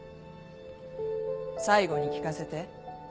最後に聞かせて。